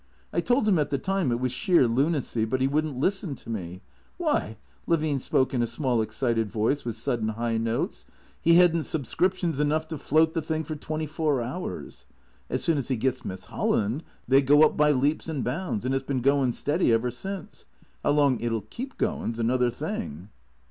I told him at the time it was sheer lunacy, but he would n't listen to me. Whi/ " (Levine spoke in a small excited voice with sud den high notes), "he hadn't subscriptions enough to float the thing for twenty four hours. As soon as he gets Miss Holland they go up by leaps and bounds, and it 's bin goin' steady ever since. How long it '11 keep goin 's another thing."